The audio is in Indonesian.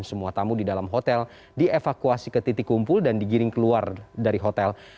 semua tamu di dalam hotel dievakuasi ke titik kumpul dan digiring keluar dari hotel